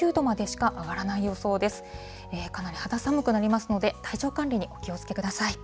かなり肌寒くなりますので、体調管理にお気をつけください。